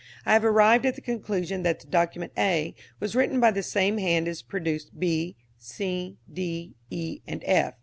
I have arrived at the conclusion that the document A was written by the same hand as produced B, C, D, E and F.